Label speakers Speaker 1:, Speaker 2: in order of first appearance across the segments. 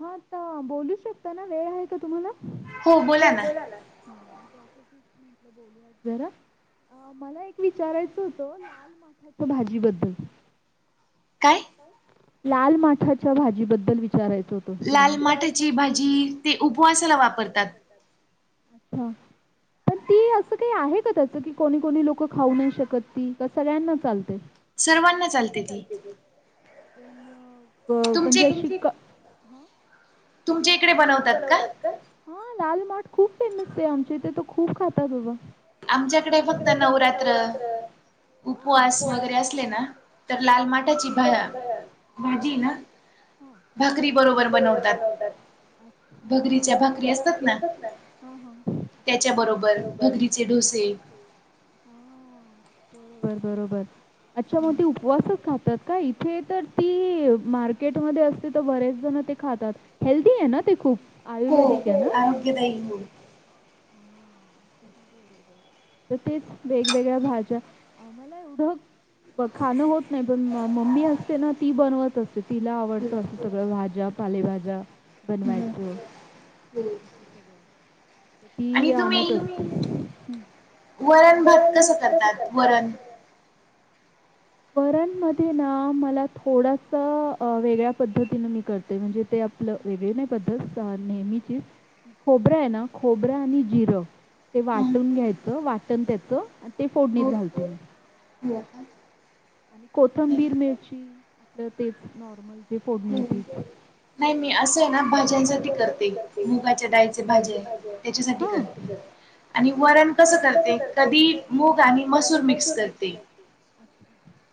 Speaker 1: हा आता बोलू शकता ना वेळ आहे का तुम्हाला? हो बोला ना, जरा अहो मला एक विचारायचं होतं ओ, लाल माठाच्या भाजी बद्दल.
Speaker 2: काय?
Speaker 1: लाल माठाच्या भाजीबद्दल विचारायचं होत.
Speaker 2: लाल माठाची भाजी ती उपवासाला वापरतात.
Speaker 1: अच्छा. पण ती असं काही आहे का त्याच की कोणी कोणी लोक खाऊ नाही शकत ती त सगळ्यांना चालते.
Speaker 2: सर्वांना चालते ती.
Speaker 1: पण, बर म्हणजे अशी का?
Speaker 2: तुमच्या इकडे बनवतात का?
Speaker 1: हा लाल माठ खूप फेमस आहे, आमच्या इथ तर खूप खातात बाबा.
Speaker 2: आमच्याकडे फक्त नवरात्र उपवास वगैरे असले ना तर लाल माठाची भा भाजी हे ना भाकरी बरोबर बनवतात. भगरीच्या भाकरी असतात ना त्याच्या बरोबर भगरीचे डोसे
Speaker 1: ह बरोबर बरोबर, अच्छा म ती उपवासच खातात का? इथे तर ती मार केट मध्ये असते तर बरेच जण ते खातात हेल्दी आहे ना ती खूप.
Speaker 2: हो आरोग्यदायी हो.
Speaker 1: बरोबर, तर तेच वेगवेगळ्या भाज्या अ मला एवढं खाणं होत नाय, पण मम्मी असते ना ती बनवत अस तिला आवडतं असं सगळं भाज्या, पालेभाज्या बनवायच, असं सगळं तर ती आणत असते.
Speaker 2: वरण भात कसं करतात? वरण
Speaker 1: वरण मध्ये ना मला थोडसा अ वेगळ्या पद्धतीने मी करते म्हणजे ते आपलं वेगळी नाही पद्धत अ नेहमीचीच खोबर आहे ना खोबर आणि जिर ते वाटून घ्यायचं, वाटण त्याचं आणि ते फोडणीत घालते मी
Speaker 2: [inaudible]
Speaker 1: आणि कोथंबीर मिरची आपलं तेच नॉर्मल जे फोडणी हाय तीच
Speaker 2: नाई मी असं आहे ना भाज्यांसाठी करते मुगाच्या डाळीचे भाजे त्याच्यासाठी करते. आणि वरण कसं करते, कधी मूग आणि मसूर मिक्स करते.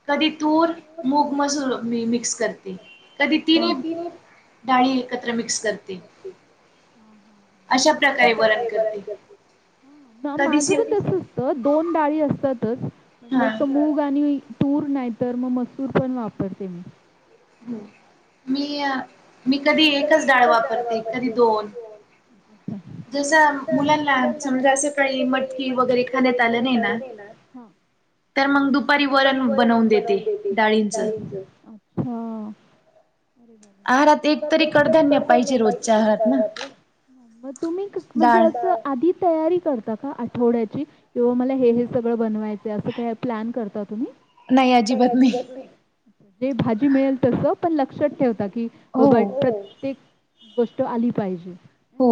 Speaker 2: कधी तूर, मूग, मसूर मी-मिक्स करते. कधी तीन डाळी एकत्र मिक्स करते.
Speaker 1: हा हा हा [unintelligible] वरण करते. माझ पण [unintelligible] असत दोन डाळी असतातच, म्हणजे एक तर मूग आणि तूर नाय तर मग मसूर पण वापरते मी.
Speaker 2: मी-मी कधी एकच डाळ वापरते कधी दोन.
Speaker 1: अच्छा. मुलांना समजा असं काही मटकी वगैरे खाण्यात आलं नाही ना तर मग दुपारी वरण बनवून देते डाळीच. हा अरे, [unintelligible] एकतरी कडधान्य पाहिजे [unintelligible] म तुम्ही म्हणजे असं आधी तयारी करता का आठवड्याची? हो मला हे हे सगळं बनवायचं असं काय प्लॅन करता तुम्ही? नाही अजिबात नाही, जे भाजी मिळेल तस पण लक्षात ठेवता की बायकात ती गोष्ट आली पाहिजे.
Speaker 2: हो.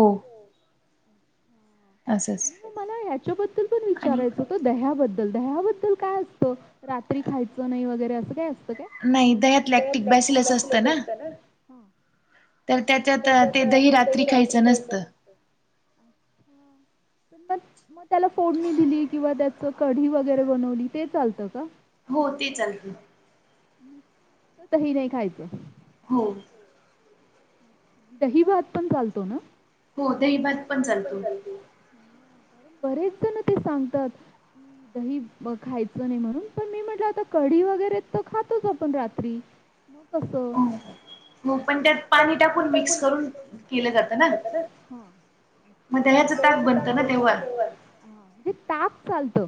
Speaker 1: आणि म मला ह्याच्याबद्दल पण विचारायचं तो दह्याबद्दल दह्याबद्दल काय असतं, रात्री खायचं नाय वगैरे असं काय असतं काय?
Speaker 2: नाई दह्यात लॅक्टिक बॅसिलस असतं ना. तर त्याच्यात ते दही रात्री खायचं नसतं.
Speaker 1: अच्छा. पण मग मग त्याला फोडणी दिली, किंवा त्याच कढी वगैरे बनवली ते चालतं का?
Speaker 2: हो ते चालत.
Speaker 1: नुसत दही नाही खायचं.
Speaker 2: हो.
Speaker 1: दहीभात पण चालतो ना?
Speaker 2: हो दहीभात पण चालतो.
Speaker 1: बरेचजण ते सांगतात दही खायचं नाही म्हणून, पण मी म्हटलं आता कढी वगैरे तर खातोच आपण रात्री. मग कसं?
Speaker 2: हो पण त्यात पाणी टाकून मिक्स करून केलं जात ना. म दह्याच ताक बनतं ना तेव्हा.
Speaker 1: हा म्हणजे ताक चालत?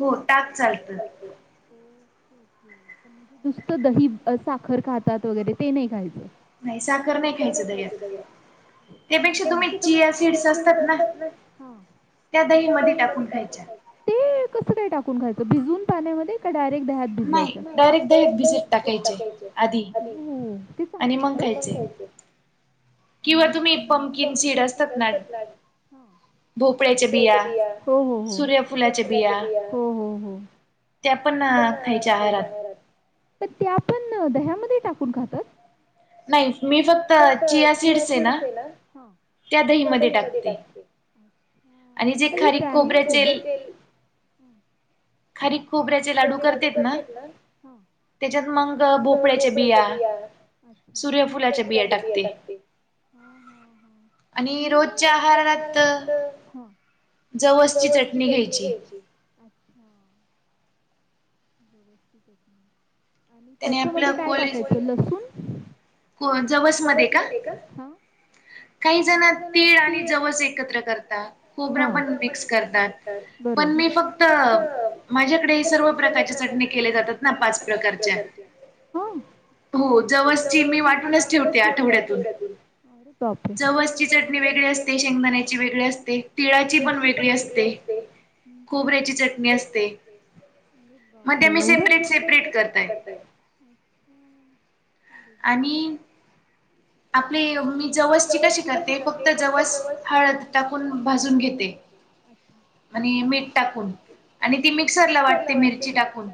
Speaker 2: हो ताक चालतं.
Speaker 1: नुसतं दही साखर खातात वगैरे ते नाही खायचं. साकर नाही ख्यायच दह्यात त्यापेक्षा तुम्ही [unintelligible] हा. त्या दहीमधी टाकून खायच. ते कस काय टाकुन घायचं भिजून पाण्या पाण्यामध्ये का डायरेक्ट दह्यात. भिजवायच्या [inaudible] [unintelligible] [inaudible] [unintelligible] [unintelligible]
Speaker 2: किंवा तुम्ही पमकीन सीड असतात ना भोपळ्याच्या बिया, सूर्यफुलाच्या बिया, त्या पण खायच्या आहारात
Speaker 1: पण त्यापण दह्यामध्ये टाकून खातात? नाही मी फक्त चिया सीड्स हेना त्या दही मध्ये टाकते
Speaker 2: खारी खोबऱ्याचे लाडू करतेात ना? त्याच्यात मग भोपळ्याच्या बिया सूर्यफुलाच्या बिया टाकते.
Speaker 1: हा हा
Speaker 2: आणि रोजच्या आहारात जवसची चटणी घ्यायची.
Speaker 1: अच्छा जवसची चटणी आणि त्याच्यामध्ये काय टाकायचं लसूण?
Speaker 2: को जवसमध्ये का? काही जण तीळ आणि जवस एकत्र करतात खोबरं पण मिक्स करतात. पण मी फक्त माझ्याकडे हे सर्व काय प्रकारच्या चटण्या केले जातात ना पाच प्रकारच्या हो जवस ती मी वाटूनच ठेवते आठवड्यातून जवसची चटणी वेगळी असते शेंगदाण्याची वेगळी असते तिळाची पण वेगळी असते.
Speaker 1: हम्म
Speaker 2: खोबऱ्याची चटणी असते मग ते मी सेपरेट सेपरेट करताय.
Speaker 1: हम् मोडीब
Speaker 2: आपली मी जवसची कशी करते फक्त जवस हळद टाकून भाजून घेते आणि मीठ टाकून आणि ती मिक्सर ला वाटते मिरची टाकून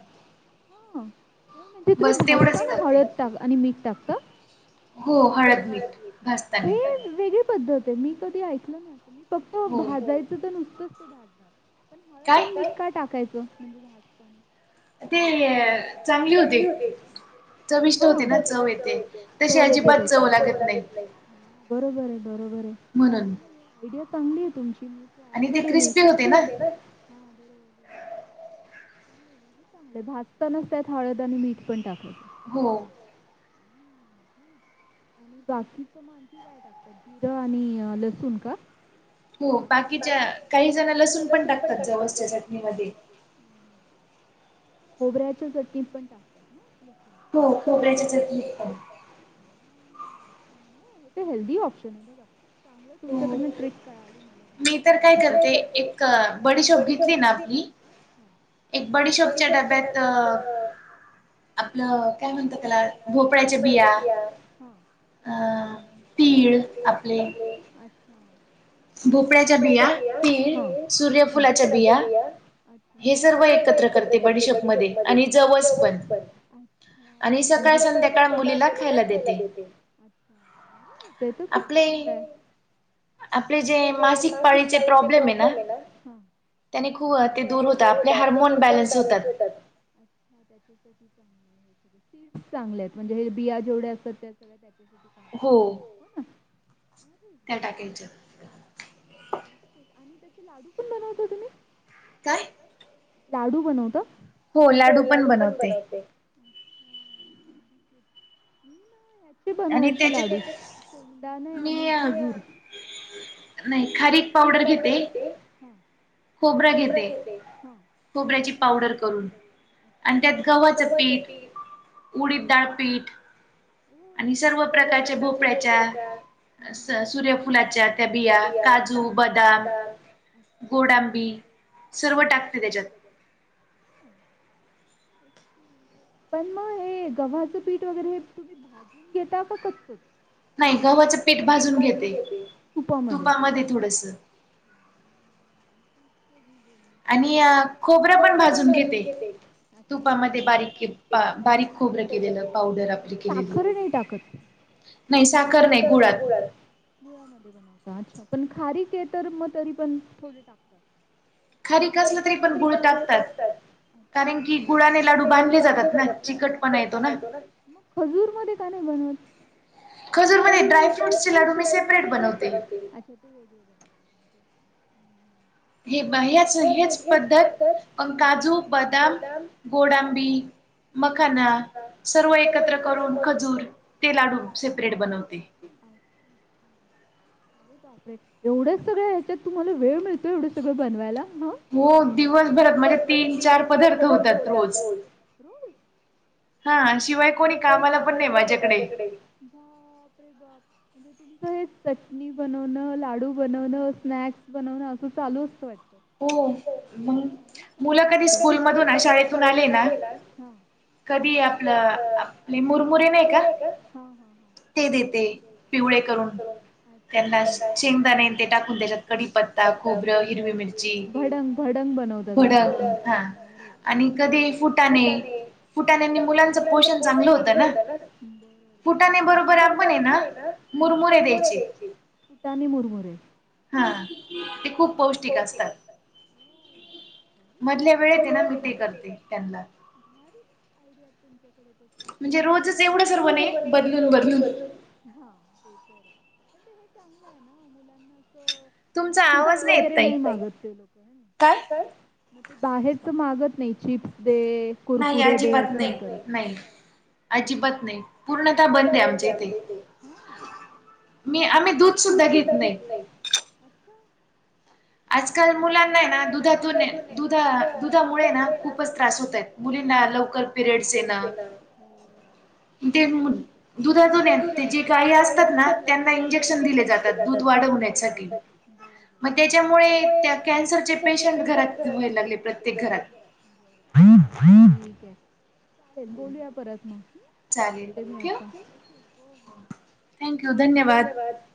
Speaker 1: हा नाही म्हणजे तुम्ही भाजता ना हळद टाक आणि मीठ टाकता?
Speaker 2: हो हळद मीठ भाजताने.
Speaker 1: वेगळी पद्धत आहे मी कधी ऐकल नाही असं मी फक्त भाजायचं तर नुसतंच ते भाजणार. पण हळद आणि मीठ का टाकायचं म्हणजे भाजतना?
Speaker 2: ते चांगली होती. चविष्ट होते ना चव येते तसे अजिबात चव लागतं नाही म्हणून.
Speaker 1: आयडिया चांगली आहे तुमची मी ट्राय करेल. हा बरोबर बरोबर. हे चांगले भाजतानाच त्यात हळद आणि मीठ पण टाकायचं.
Speaker 2: हो
Speaker 1: आणि बाकीच मग आणखी काय टाकतात जिरं आणि लसूण का?
Speaker 2: हो बाकीच्या काही जणं लसूण पण टाकतात जवसच्या चटणीमध्ये.
Speaker 1: खोबऱ्याच्या चटणीत पण टाकतात.
Speaker 2: हो खोबऱ्याच्या चटणीत पण
Speaker 1: ते हेल्दी ऑप्शन आहे बघा. चांगलं तुमच्या कडणं ट्रिक कळाली मला भाजतांना, मी तर काय करते एक बडीशोप घेतली ना हा
Speaker 2: एक बडीशोपच्या डब्यात आपलं काय म्हणता त्याला भोपळ्याच्या बिया तीळ आपले
Speaker 1: भोपळ्याच्या बिया, तीळ, सूर्य फुलाच्या बिया हे सर्व एकत्र करते बडीशोप मध्ये आणि जवस पण आणि सकाळ - संध्याकाळ मुलीला खायला देते. ते तर खूप चांगलंय. ते जे मासिक पाळीचे प्रॉब्लेम हे ना ते दूर होतात आपले हार्मोन बॅलन्स होतात. चांगल्या आहेत म्हणजे हे बिया जेवढ्या असतात त्या
Speaker 2: हो. त्या टाकायच्.
Speaker 1: आणि त्याचे लाडू पण बनवता तुम्ही.
Speaker 2: काय?
Speaker 1: लाडू बनवत? हो लाडू पण बनवते. [unintelligible] कशे बनवायचे लाडू. शेंगदाणे आणि खजूर
Speaker 2: नाही खारीक पावडर घेते. खोबरं घेते, खोबऱ्याची पावडर करून. अन त्यात गव्हाचं पीठ, उडीद डाळ पीठ आणि सर्व प्रकारच्या भोपळ्याच्या, सूर्यफुलाच्या त्या बिया, काजू-बदाम गोडांबी, सर्व टाकते त्याच्यात.
Speaker 1: हम्म [inaudible] पण मग हे गव्हाचं पीठ, वगैरे हे भाजून घेता की कच्चच, नाही गव्हाचं पीठ भाजून घेते तुपामध्ये
Speaker 2: थोडंस
Speaker 1: ते बी बोलले
Speaker 2: आणि खोबरं पण भाजून घेते, तुपामध्ये बारीक बारीक खोबरं केलेलं, पावडर आपली केलेली नाही साखर नाही गुळात.
Speaker 1: गुळामध्ये बनवता, अच्छा! पण खारीके तर मग तरी पण थोडे टाकतात. तरी कसलं-तरी पण गुळ टाकतात. गुळाने लाडू बांधले जातात ना, चिकट-पणा येतो ना. खजूर मध्ये का नाही बनवत. खजूर मध्ये ड्राय- फ्रुट्सचचे लाडू मी सेपरेट बनवते. हम्म
Speaker 2: हे बाह्याच हेच पद्धत पण काजू, बदाम, गोडांबी. मखाना सर्व एकत्र करून, खजूर ते लाडू सेपरेट बनवते.
Speaker 1: अरे बापरे! एवढ्या सगळ्या ह्याच्यात तुम्हाले वेळ मिळतो एवढं सगळ बनवायला मग, हो दिवसभर म्हणजे तीन-चार पदार्थ होत्यात रोज. शिवाय कोणी कामाला पण नाही माझ्याकडे. बाप रे बाप! चटणी बनवणं, लाडू बनवणं, स्नॅक्स बनवणं असं चालू असतंय.
Speaker 2: हो. मग मुलं कधी स्कूल मधून शाळेतून आले ना कधी आपलं आपले मुरमुरे नाही का ते देते पिवळे करून त्यांना शेंगदाने ते टाकून त्याच्यात कडीपत्ता, खोबरं, हिरवी मिर ची भडंग हा आणि कधी फुटाणे फुटाण्यानी मुलांचं पोषण चांगलं होत ना? फुटाणे बरोबर आपण आहे ना? मुरमुरे द्यायचे.
Speaker 1: फुटाणे, मुरमुरे.
Speaker 2: हा ते खूप पौष्टिक असतात. मधल्या वेळेत हाय ना? मीटिं करते त्यांना.
Speaker 1: भारीच आयडियाहेत तुमच्याकडे तर. अ् रोजच एवढं सर्वणे बदलून बदलून. हा ते तर आहे, हे चांगलं आहे ना? मुलांना अस [unintelligible] वगैरे नाही मागते [inaudible] तर? बाहेरच मागत नाही चिप्स दे.
Speaker 2: नाही अजिबात नाही, नाही. अजिबात नाही पूर्णतः बंद आहे आमच्या इथे. मी, आम्ही दूध सुद्धा घेत नाही. आजकाल मुलांना हाय ना? दुधातून, दुधा, दुधामुळे ना खूपच त्रास होत आहेत. मुली ना लवकर पिरियडस येन.
Speaker 1: हो बरोबर आहे. ध जे गाई असतात ना त्यांना इंजेक्शन दिले जातात दूध वाढत नाही. ह.
Speaker 2: मग त्याच्यामुळे त्या कॅन्सरचे पेशंट घरात व्हायला लागले, प्रत्येक घरात.
Speaker 1: ठीक आहे, चालेल बोलूया परत मग. मी आता, ठेवू का? हो हो धन्यवाद.